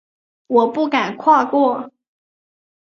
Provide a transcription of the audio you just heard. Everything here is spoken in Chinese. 我不敢跨过